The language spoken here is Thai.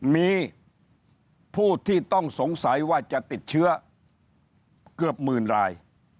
มีผู้ที่ต้องสงสัยว่าจะติดเชื้อเกือบหมื่นราย